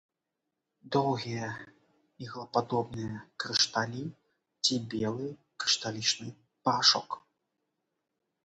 Доўгія іглападобныя крышталі ці белы крышталічны парашок.